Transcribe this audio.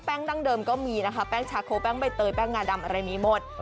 ดั้งเดิมก็มีนะคะแป้งชาโคแป้งใบเตยแป้งงาดำอะไรมีหมด